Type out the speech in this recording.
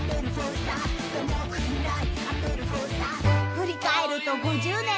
［振り返ると５０年］